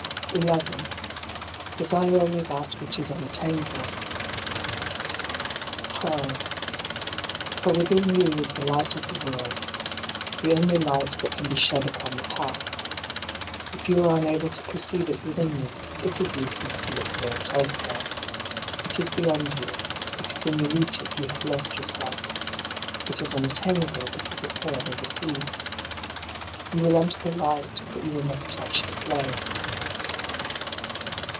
11. Desire only that which is unattainable. 12. For within you is the light of the world — the only light that can be shed upon the Path. If you are unable to perceive it within you, it is useless to look for it elsewhere. It is beyond you ; because when you reach it you have lost yourself. It is unattainable, because it for ever recedes. You will enter the light, but you will never touch the flame.